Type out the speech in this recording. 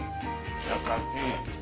優しい。